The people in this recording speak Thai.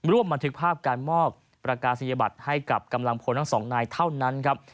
บันทึกภาพการมอบประกาศนียบัตรให้กับกำลังพลทั้งสองนายเท่านั้นครับ